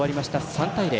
３対０。